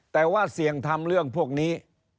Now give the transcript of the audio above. แต่ว่าเสี่ยงทำเรื่องพวกนี้